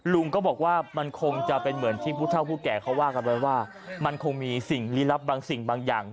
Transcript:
ลุงก็บอกว่ามันคงจะเป็นเหมือนที่ผู้เท่าผู้แก่เขาว่ากันไว้ว่ามันคงมีสิ่งลี้ลับบางสิ่งบางอย่าง